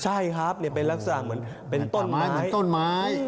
ใช่ครับเป็นลักษณะเหมือนต้นไม้